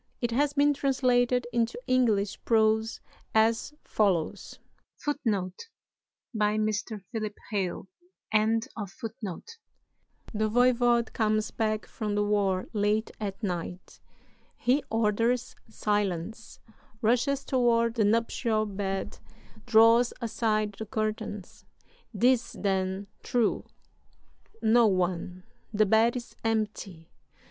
It has been translated into English prose as follows: "The voyvode comes back from the war late at night. He orders silence, rushes toward the nuptial bed, draws aside the curtains. 'Tis, then, true! No one; the bed is empty.